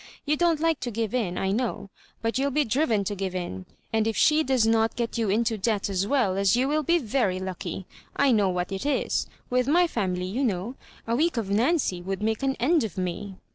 You don't like to give in, I know, but you'll be driven to give in ; and if she does not get you into debt as well as you will be very lucky. I know what it is. "With my fami ly, you know, a week of Nancy would make an end of me."